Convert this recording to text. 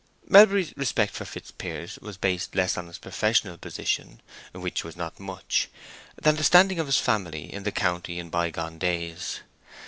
Melbury's respect for Fitzpiers was based less on his professional position, which was not much, than on the standing of his family in the county in by gone days.